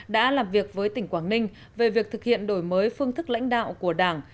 đã làm việc với tỉnh quảng ninh về việc thực hiện đổi mới phương thức lãnh đạo của đảng